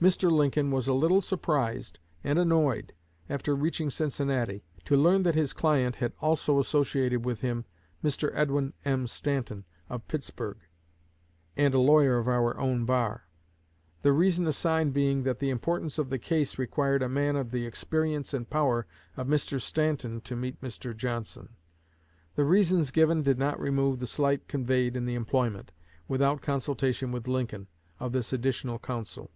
Mr. Lincoln was a little surprised and annoyed after reaching Cincinnati, to learn that his client had also associated with him Mr. Edwin M. Stanton, of Pittsburgh, and a lawyer of our own bar; the reason assigned being that the importance of the case required a man of the experience and power of Mr. Stanton to meet Mr. Johnson. The reasons given did not remove the slight conveyed in the employment, without consultation with Lincoln, of this additional counsel.